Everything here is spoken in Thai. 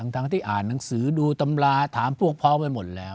ทั้งที่อ่านหนังสือดูตำราถามพวกเขาไปหมดแล้ว